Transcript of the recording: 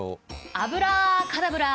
アブラカダブラ！